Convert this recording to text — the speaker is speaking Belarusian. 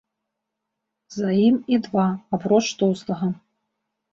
За ім і два, апроч тоўстага.